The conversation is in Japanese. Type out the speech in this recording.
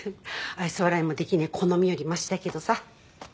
愛想笑いもできないこのみよりましだけどさ。